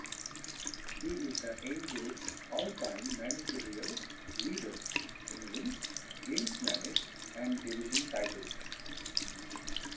He is the Angels' all-time managerial leader in wins, games managed, and division titles.